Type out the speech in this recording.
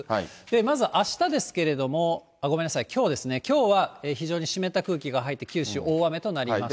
まずあしたですけれども、ごめんなさい、きょうですね、きょうは非常に湿った空気が入って、九州大雨となりました。